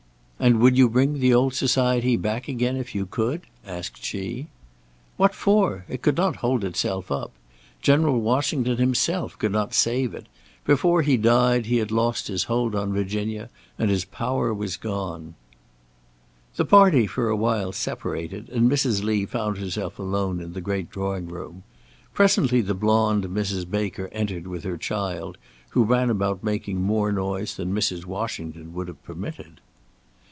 "And would you bring the old society back again if you could?" asked she. "What for? It could not hold itself up. General Washington himself could not save it. Before he died he had lost his hold on Virginia, and his power was gone." The party for a while separated, and Mrs. Lee found herself alone in the great drawing room. Presently the blonde Mrs. Baker entered, with her child, who ran about making more noise than Mrs. Washington would have permitted.